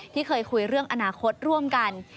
ที่เคยคุยเรื่องอนาคตร่วมกัน